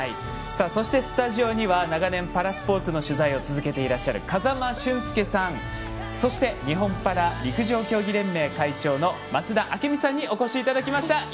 そして、スタジオには長年パラスポーツの取材を続けていらっしゃる風間俊介さんそして日本パラ陸上競技連盟会長増田明美さんにお越しいただきました。